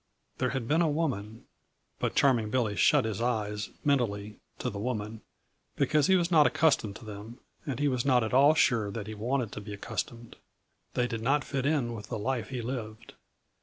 There had been a woman but Charming Billy shut his eyes, mentally, to the woman, because he was not accustomed to them and he was not at all sure that he wanted to be accustomed; they did not fit in with the life he lived.